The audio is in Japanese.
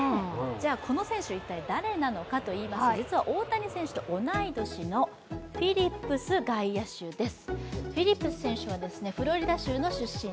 この選手、一体誰なのかといいますと実は大谷選手と同い年のフィリップス外野手です。